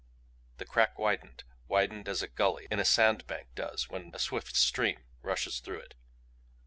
The crack widened widened as a gulley in a sand bank does when a swift stream rushes through it.